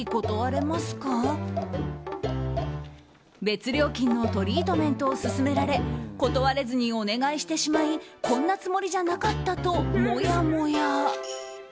別料金のトリートメントを勧められ断れずにお願いしてしまいこんなつもりじゃなかったともやもや。